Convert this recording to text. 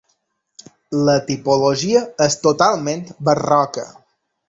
La tipologia és totalment barroca.